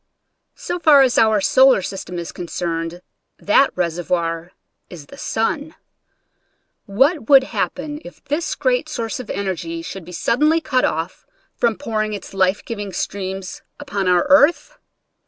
So far as our solar system is concerned, that reservoir is the sun. What would hap pen if this great source of energy should be suddenly cut off from pouring its life giving streams upon our earth?